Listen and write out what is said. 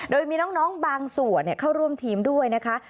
โดยมีน้องบางส่วนเข้าร่วมทีมด้วยนะคะ